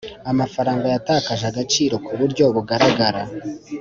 Amafaranga yatakaje agaciro kuburyo bugaragara